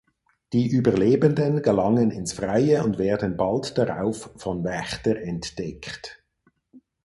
Die Überlebenden gelangen ins Freie und werden bald darauf von Wächter entdeckt.